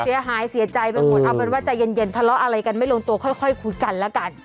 เสียหายเสียใจไปหมดเอาเป็นว่าใจเย็นทะเลาะอะไรกันไม่ลงตัวค่อยคุยกันแล้วกัน